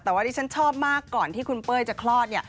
แต่ว่าที่ฉันชอบมากก่อนที่คุณเป้ยจะคลอดเนี่ย